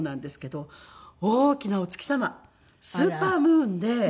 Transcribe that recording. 大きなお月様スーパームーンで。